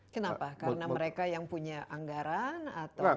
kenapa karena mereka yang punya anggaran atau